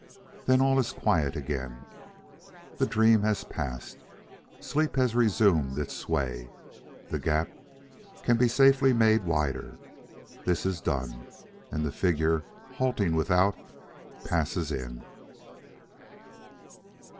Then all is quiet again. The dream has passed. Sleep has resumed its sway. The gap can safely be made wider. This is done, and the figure halting without, passes in.